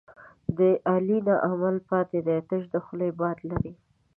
د علي نه عمل پاتې دی، تش د خولې باد لري.